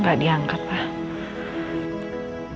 gak diangkat pak